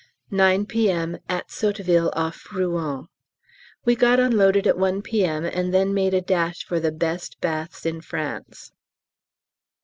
9 P.M. At Sotteville, off Rouen. We got unloaded at 1 P.M. and then made a dash for the best baths in France.